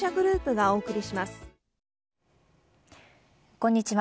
こんにちは。